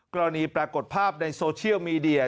ปรากฏภาพในโซเชียลมีเดีย